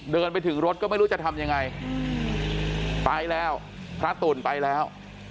เดินไปถึงรถก็ไม่รู้จะทำยังไงไปแล้วพระตุ๋นไปแล้ว